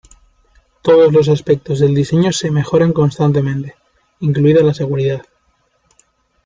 Todos los aspectos del diseño se mejoran constantemente, incluida la seguridad.